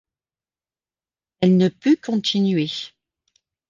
Elle ne put continuer.